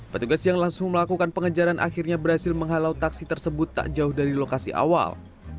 petugas yang langsung melakukan pengejaran akhirnya berhasil menghalau taksi tersebut tak jauh dari lokasi awal